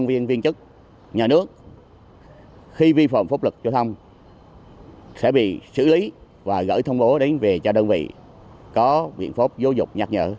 công viên viên chức nhà nước khi vi phạm phốc lực giao thông sẽ bị xử lý và gửi thông bố đến về cho đơn vị có viện phốc vô dục nhạt nhở